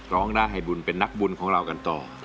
ร้องได้ให้บุญเป็นนักบุญของเรากันต่อ